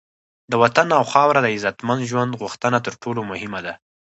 د وطن او خاوره د عزتمند ژوند غوښتنه تر ټولو مهمه ده.